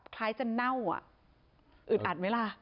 คล้ายจะเน่าอ่ะอึดอัดไหมล่ะ